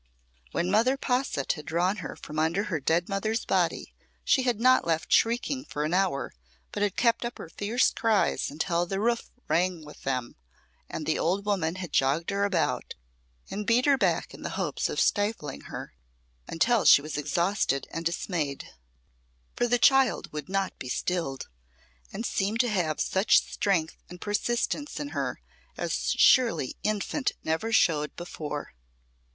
When Mother Posset had drawn her from under her dead mother's body she had not left shrieking for an hour, but had kept up her fierce cries until the roof rang with them, and the old woman had jogged her about and beat her back in the hopes of stifling her, until she was exhausted and dismayed. For the child would not be stilled, and seemed to have such strength and persistence in her as surely infant never showed before.